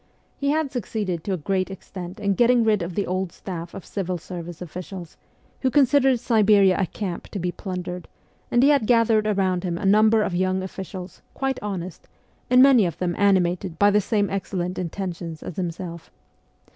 He had succeeded to a great extent in getting rid of the old staff of civil service officials, who considered Siberia a camp to be plundered, and he had gathered around him a number of young officials, quite honest, and many of them animated by the same excellent intentions as himself.